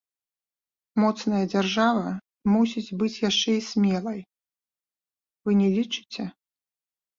Моцная дзяржава мусіць быць яшчэ і смелай, вы не лічыце?